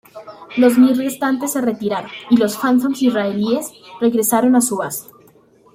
Los MiG restantes se retiraron y los Phantoms israelíes regresaron a su base.